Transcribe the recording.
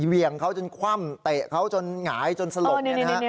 เหวี่ยงเขาจนคว่ำเตะเขาจนหงายจนสลบเนี่ยนะฮะ